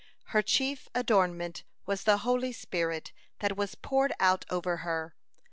(144) Her chief adornment was the holy spirit that was poured out over her.